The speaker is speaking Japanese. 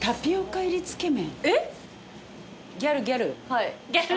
はい。